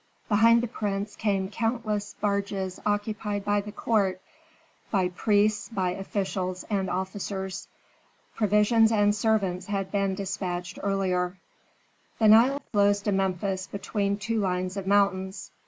Behind the prince came countless barges occupied by the court, by priests, by officials and officers. Provisions and servants had been despatched earlier. The Nile flows to Memphis between two lines of mountains.